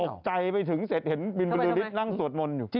ตกใจไปถึงเสร็จเห็นบิลบรูริสต์นั่งสวดมนตร์อยู่